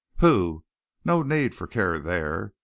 Pooh! no need for care there.